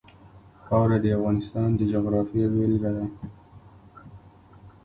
خاوره د افغانستان د جغرافیې بېلګه ده.